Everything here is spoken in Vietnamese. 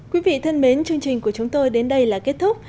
quý vị thân mến chương trình của chúng tôi đến đây là kết thúc